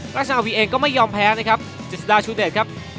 ราชนาวีเองก็ไม่ยอมแพ้นะครับจิสดาชูเดชครับ